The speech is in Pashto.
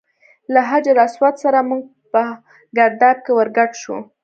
له حجر اسود سره موږ هم په ګرداب کې ور ګډ شو.